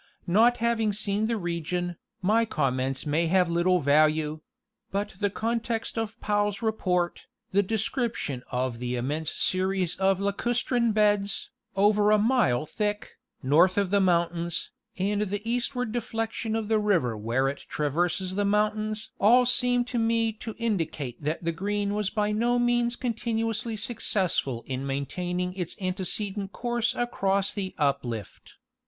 * Not having seen the region, my com ments may have little value ; but the context of Powell's report, the description of the immense series of lacustrine beds, over a mile thick, north of the mountains, and the eastward deflection of the river where it traverses the mountains all seem to me to indi cate that the Green was by no means continuously successful in maintaining its antecedent course across the uplift.